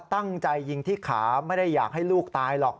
ตั้งใจยิงที่ขาไม่ได้อยากให้ลูกตายหรอก